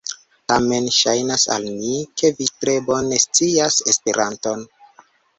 Tamen ŝajnas al mi, ke vi tre bone scias Esperanton.